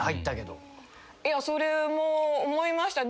いやそれも思いました。